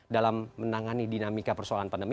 dalam menangani dinamika persoalan pandemi